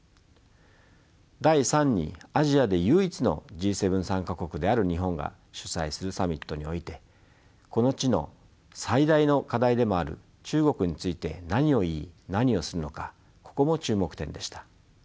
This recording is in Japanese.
第３にアジアで唯一のＧ７参加国である日本が主催するサミットにおいてこの地の最大の課題でもある中国について何を言い何をするのかここも注目点でした。